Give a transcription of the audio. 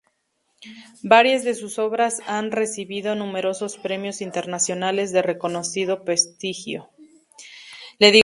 Varias de sus obras han recibido numerosos premios internacionales de reconocido prestigio.